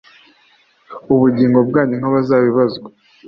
ubugingo bwanyu nk abazabibazwa